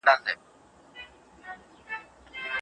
دا کور په ډېر مهارت جوړ سوی دی.